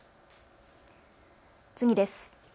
次です。